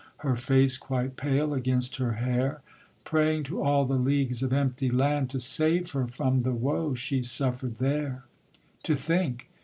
her face quite pale against her hair, Praying to all the leagues of empty land To save her from the woe she suffer'd there. To think!